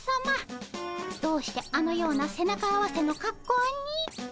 どうしてあのような背中合わせのかっこうに？